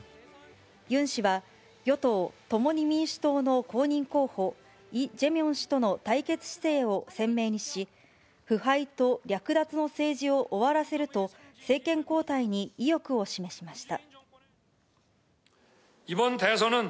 ユン氏は与党・共に民主党の公認候補、イ・ジェミョン氏との対決姿勢を鮮明にし、腐敗と略奪の政治を終わらせると政権交代に意欲を示しました。